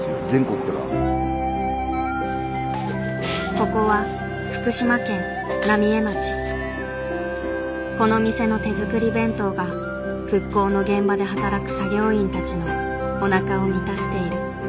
ここはこの店の手作り弁当が復興の現場で働く作業員たちのおなかを満たしている。